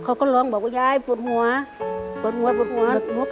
เขาก็ร้องบอกว่ายายปวดหัวปวดหัวปวดหัว